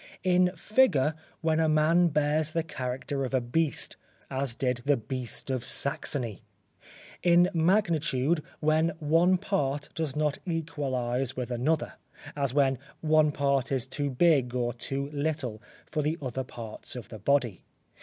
In figure, when a man bears the character of a beast, as did the beast in Saxony. In magnitude, when one part does not equalise with another; as when one part is too big or too little for the other parts of the body.